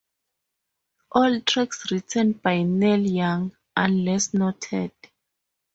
All tracks written by Neil Young, unless noted.